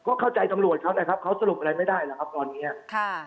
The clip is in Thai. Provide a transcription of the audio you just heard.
ก็เข้าใจตำรวจเขานะครับเขาสรุปอะไรไม่ได้หรอกครับตอนเนี้ยค่ะ